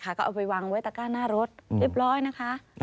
ก็เอาไปวางไว้ตะก้าหน้ารถเรียบร้อยนะคะ